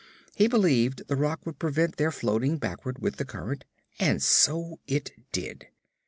He believed the rock would prevent their floating backward with the current, and so it did.